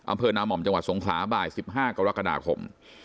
อำเภอนาม่อมจังหวัดสงขลาบ่าย๑๕กรกฎาคม